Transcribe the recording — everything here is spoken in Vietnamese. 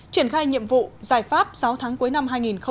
triển khai nhiệm vụ giải pháp sáu tháng cuối năm hai nghìn hai mươi